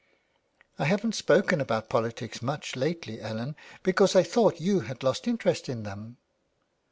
'' 1 haven't spoken about politics much lately, Ellen, because I thought you had lost interest in them.''